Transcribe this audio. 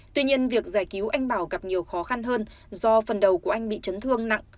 tuy nhiên việc giải cứu anh bảo gặp nhiều khó khăn hơn do phần đầu của anh bị chấn thương nặng